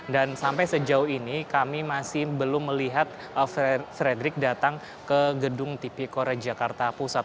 dan sampai sejauh ini kami masih belum melihat fredri datang ke gedung tipekor jakarta pusat